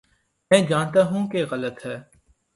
میں جانتا ہوں کہ غلط ہے۔